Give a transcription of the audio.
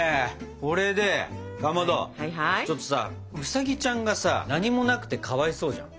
これでかまどちょっとさウサギちゃんがさ何もなくてかわいそうじゃん。